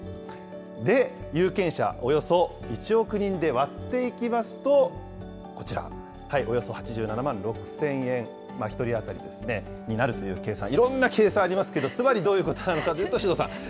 で、有権者およそ１億人で割っていきますと、こちら、およそ８７万６０００円、１人当たりになるという、いろんな計算ありますけど、つまりどういうことかといいますと、首藤さん。